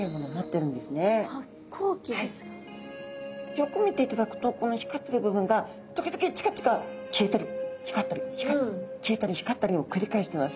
よく見ていただくとこの光ってる部分が時々チカチカ消えたり光ったりを繰り返してます。